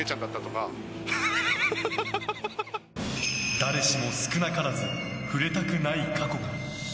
誰しも少なからず触れたくない過去が。